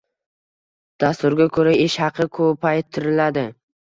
Dasturga koʻra ish haqi koʻpaytiriladi.